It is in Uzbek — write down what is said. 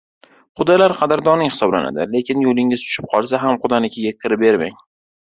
• Qudalar qadrdoning hisoblanadi, lekin yo‘lingiz tushib qolsa ham qudanikiga kira bermang!